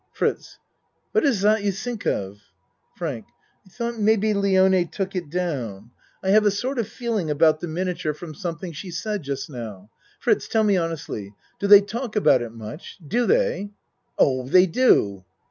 FRITZ What is dot you tink of? FRANK I tho't maybe Lione took it down. \ 68 A MAN'S WORLD have a sort of feeling about the miniature from something she said just now. Fritz, tell me honestly. Do they talk about it much? Do they? Oh, they do.